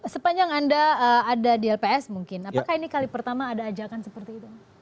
sepanjang anda ada di lps mungkin apakah ini kali pertama ada ajakan seperti itu